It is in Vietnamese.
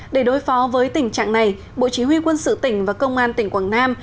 để đối phó với tình trạng này bộ chỉ huy quân sự tỉnh và công an tỉnh quảng nam